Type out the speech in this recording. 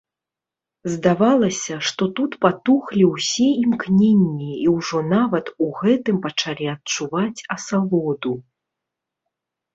Здавалася, што тут патухлі ўсе імкненні і ўжо нават у гэтым пачалі адчуваць асалоду.